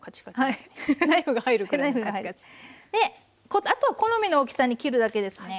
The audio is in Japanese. であとは好みの大きさに切るだけですね。